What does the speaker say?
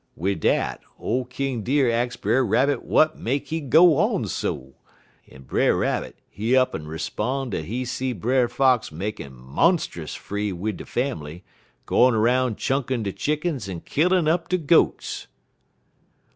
Wid dat, ole King Deer ax Brer Rabbit w'at make he go on so, en Brer Rabbit, he up'n 'spon' dat he see Brer Fox makin' monst'us free wid de fambly, gwine 'roun' chunkin' de chickens en killin' up de goats.